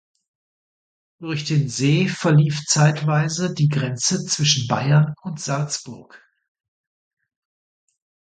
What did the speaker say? Durch den See verlief zeitweise die Grenze zwischen Bayern und Salzburg.